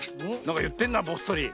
なんかいってんなこっそり。